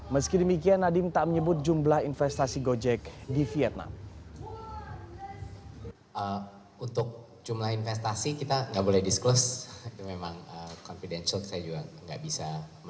meski demikian nadiem tak menyebut jumlah investasi gojek di vietnam